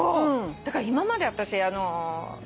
だから今まで私。